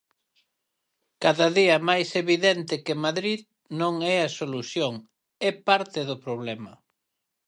Cada día máis evidente que Madrid non é a solución, é parte do problema.